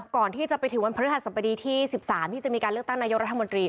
ก่อนที่จะไปถึงวันพฤหัสบดีที่๑๓ที่จะมีการเลือกตั้งนายกรัฐมนตรี